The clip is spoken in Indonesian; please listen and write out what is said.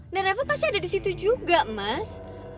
dan reva pasti ada disitu juga mas